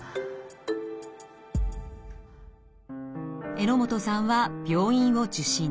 榎本さんは病院を受診。